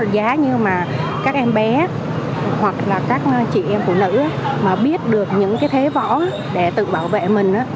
giá như các em bé hoặc các chị em phụ nữ mà biết được những thế võ để tự bảo vệ mình